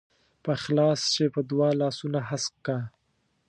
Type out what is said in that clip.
په اخلاص چې په دعا لاسونه هسک کا.